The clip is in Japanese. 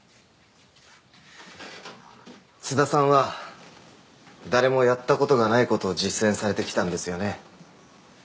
津田さんは誰もやった事がない事を実践されてきたんですよね。